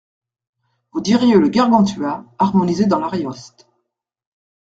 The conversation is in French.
Vous diriez le Gargantua harmonisé dans l'Arioste.